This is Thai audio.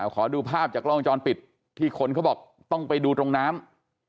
ขอดูภาพจากกล้องวงจรปิดที่คนเขาบอกต้องไปดูตรงน้ำ